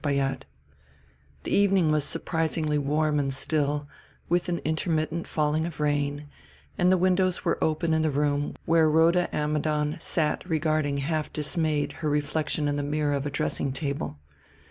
III The evening was surprisingly warm and still, with an intermittent falling of rain, and the windows were open in the room where Rhoda Ammidon sat regarding half dismayed her reflection in the mirror of a dressing table.